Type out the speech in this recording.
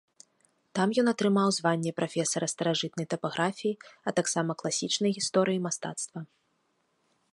Там ён атрымаў званне прафесара старажытнай тапаграфіі, а таксама класічнай гісторыі мастацтва.